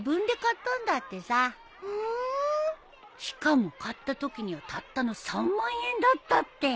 しかも買ったときにはたったの３万円だったって。